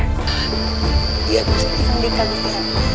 saya akan menjaga diri saya sendiri